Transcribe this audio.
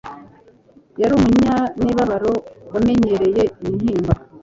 Yari umunyamibabaro wamenyereye intimba,